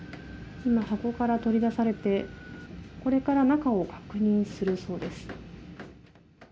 今、箱から取り出されてこれから中を確認するそうです。